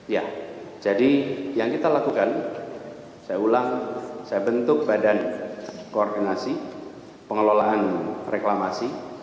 ya jadi yang kita lakukan saya ulang saya bentuk badan koordinasi pengelolaan reklamasi